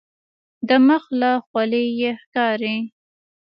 د مخ له خولیې یې ښکاري.